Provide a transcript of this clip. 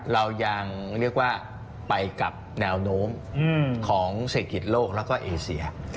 เรายังเรียกว่าไปกับแนวโน้มของเศรษฐกิจโลกแล้วก็เอเซีย